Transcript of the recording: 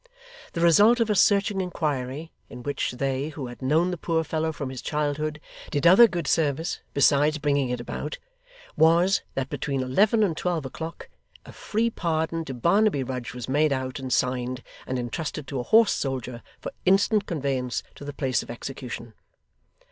The result of a searching inquiry (in which they, who had known the poor fellow from his childhood, did other good service, besides bringing it about) was, that between eleven and twelve o'clock, a free pardon to Barnaby Rudge was made out and signed, and entrusted to a horse soldier for instant conveyance to the place of execution.